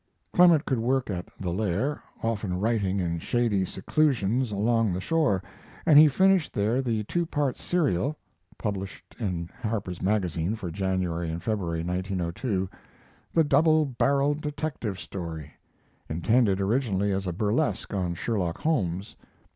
Clemens could work at "The Lair," often writing in shady seclusions along the shore, and he finished there the two part serial, [ Published in Harper's Magazine for January and February, 1902.] "The Double Barrelled Detective Story," intended originally as a burlesque on Sherlock Holmes.